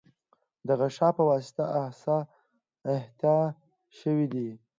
د غشا په واسطه احاطه شوی دی.